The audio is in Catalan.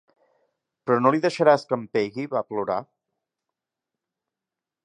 'Però no li deixaràs que em pegui?', va plorar.